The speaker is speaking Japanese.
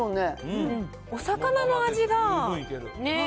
お魚の味が。